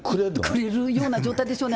くれるような状態でしょうね。